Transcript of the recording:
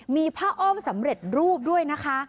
มีผ้าอ้อมสำเร็จรูปด้วยนะคะ